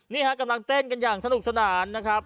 นี่ฮะกำลังเต้นกันอย่างสนุกสนานนะครับ